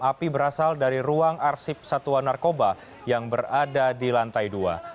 api berasal dari ruang arsip satuan narkoba yang berada di lantai dua